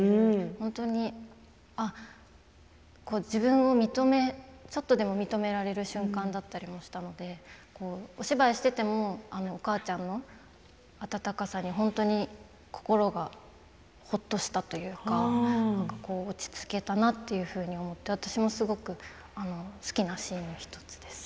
本当に自分をちょっとでも認められる瞬間だったのでお芝居をしていてもあのお母ちゃんの温かさに本当に心がほっとしたというか落ち着けたなというふうに思って私もすごく好きなシーンの１つです。